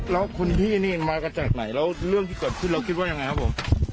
แล้วคุณพี่นี่มากันจากไหนแล้วเรื่องที่เกิดขึ้นเราคิดว่ายังไงครับผม